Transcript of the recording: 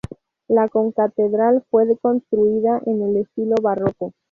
La concatedral fue construida en el estilo barroco.